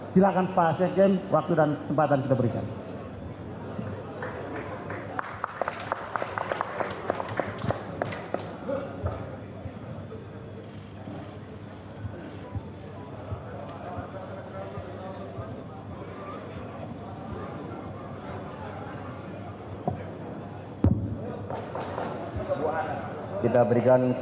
silahkan pak sekgen waktu dan kesempatan kita berikan